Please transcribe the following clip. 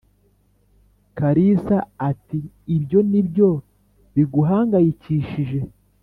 "kalisa at"ibyo nibyo biguhangayikishije